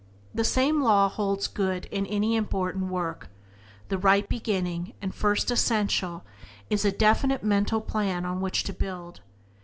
The same law holds good in any important work: the right beginning and first essential is a definite mental plan on which to build.